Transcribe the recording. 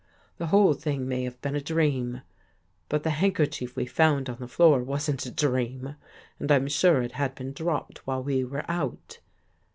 The whole thing may have been a dream. But the handkerchief we found on the floor wasn't a dream and I'm sure it had been dropped while we were out.